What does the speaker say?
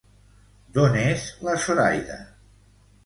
D'on és la Zoraida?